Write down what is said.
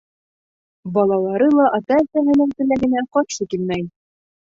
Балалары ла ата-әсәһенең теләгенә ҡаршы килмәй.